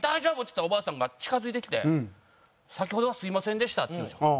言ってたおばあさんが近付いてきて先ほどはすみませんでしたって言うんですよ。